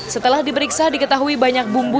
setelah diperiksa diketahui banyak bumbu